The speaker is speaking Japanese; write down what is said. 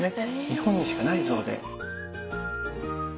日本にしかない像で。